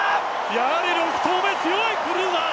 やはり６投目強い、クルーザー。